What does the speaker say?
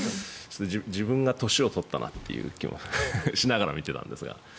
自分が年を取ったなという気もしながら見てたんですが。